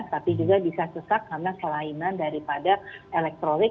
tapi juga bisa sesak karena selaiman daripada elektrolik